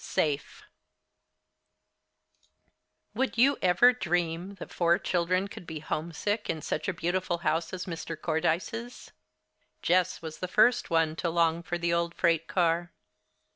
SAFE Would you ever dream that four children could be homesick in such a beautiful house as Mr. Cordyce's? Jess was the first one to long for the old freight car.